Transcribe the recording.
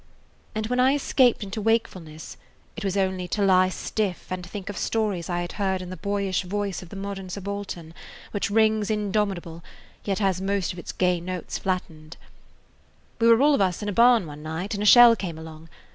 And when I escaped into wakefulness it was only to lie stiff and think of stories I had heard in the boyish voice of the modern subaltern, which rings indomitable, yet has most of its gay notes flattened: "We were all of us in a barn one night, and a shell came along.